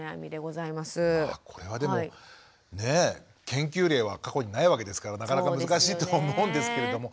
研究例は過去にないわけですからなかなか難しいとは思うんですけれども。